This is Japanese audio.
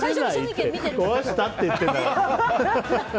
壊したって言ってるんだから！